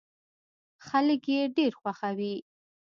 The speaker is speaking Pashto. خلک يې ډېر خوښوي.